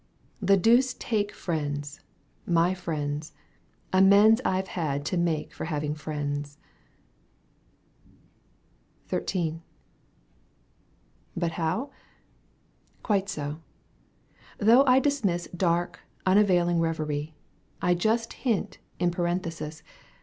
The deuce take friends, my friends, amends I've had to make for having friends ! xni. But how ? Quite so. Though I dismiss Dark, unavailing reverie, I just hint, in parenthesis.